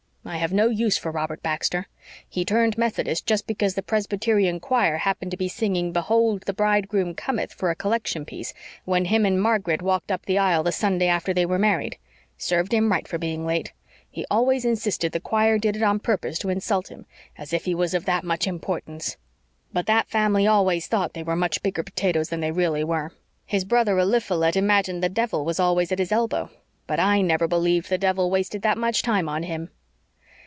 I have no use for Robert Baxter. He turned Methodist just because the Presbyterian choir happened to be singing 'Behold the bridegroom cometh' for a collection piece when him and Margaret walked up the aisle the Sunday after they were married. Served him right for being late! He always insisted the choir did it on purpose to insult him, as if he was of that much importance. But that family always thought they were much bigger potatoes than they really were. His brother Eliphalet imagined the devil was always at his elbow but I never believed the devil wasted that much time on him."